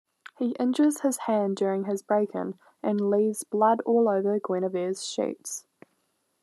He injures his hand during his break-in, and leaves blood all over Guinevere's sheets.